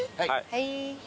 はい。